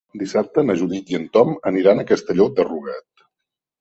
Dissabte na Judit i en Tom aniran a Castelló de Rugat.